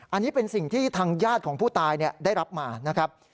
อันนี้เป็นสิ่งที่ทางญาติของผู้ตายได้รับมานะครับ